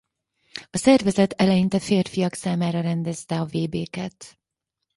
A szervezet eleinte férfiak számára rendezte a vb-ket.